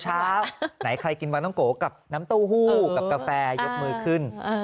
ไหนใครกินวาน้องโกกับน้ำเต้าหู้กับกาแฟยกมือขึ้น